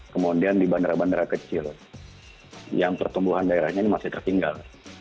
kemudian di bandara bandara kecil yang pertumbuhan daerahnya ini masih tertinggal